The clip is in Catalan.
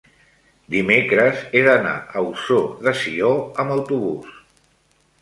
dimecres he d'anar a Ossó de Sió amb autobús.